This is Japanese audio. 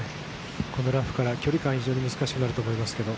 このラフから距離感、非常に難しくなると思いますけど。